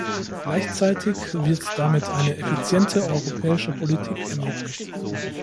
Gleichzeitig wird damit eine effiziente europäische Politik ermöglicht.